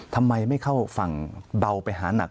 ทำไมไม่เข้าฝั่งเบาไปหานัก